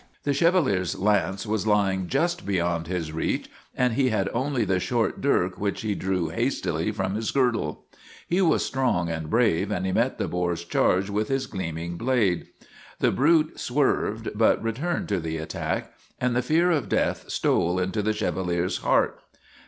The Chevalier's lance was lying just beyond his reach and he had only the short dirk which he drew hastily from his girdle. He was strong and brave and he met the boar's charge with his gleaming 244 HOUND OF MY LADY BLANCHE blade. The brute swerved, but returned to the at tack, and the fear of death stole into the Chevalier's heart.